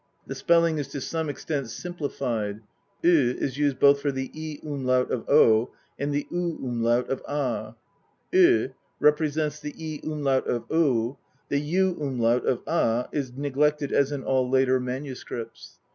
The spelling is to some extent simplified: '0" is used both for the *i' umlaut of 'o' and the *u' umlaut of 'a' ; 'ce' represents the 'i' umlaut of '6' ; the '' umlaut of 'a' is neglected as in all later MSS.